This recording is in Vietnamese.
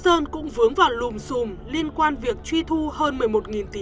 chậm tiến độ các dự án tập đoàn phúc sơn cũng vướng vào lùm xùm liên quan việc truy thu hơn một mươi một tỷ